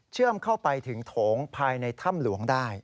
เข้าไปถึงโถงภายในถ้ำหลวงได้